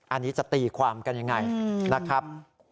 อันนี้จะตีความกันยังไงนะครับ